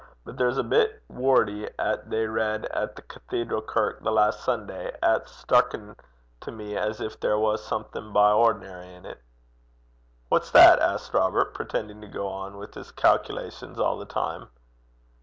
'But there's a bit wordy 'at they read at the cathedral kirk the last Sunday 'at's stucken to me as gin there was something by ordinar' in 't.' 'What's that?' asked Robert, pretending to go on with his calculations all the time.